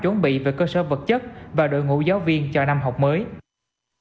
chuẩn bị về cơ sở vật chất và đội ngũ giáo viên cho năm học mới